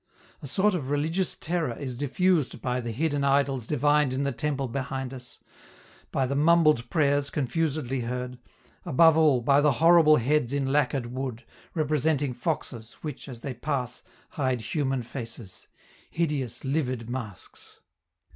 A sort of religious terror is diffused by the hidden idols divined in the temple behind us; by the mumbled prayers, confusedly heard; above all, by the horrible heads in lacquered wood, representing foxes, which, as they pass, hide human faces hideous livid masks.